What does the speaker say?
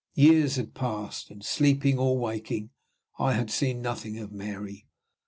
Years had passed; and, sleeping or waking, I had seen nothing of Mary.